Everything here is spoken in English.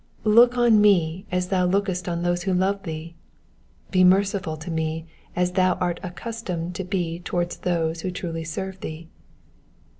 '''' Look on me as thou lookest on those who love thee ; be merciful to me as thou art accustomed to be towards those who truly serve thee.